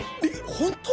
本当？